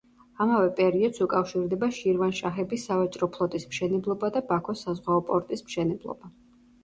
ამავე პერიოდს უკავშირდება შირვანშაჰების სავაჭრო ფლოტის მშენებლობა და ბაქოს საზღვაო პორტის მშენებლობა.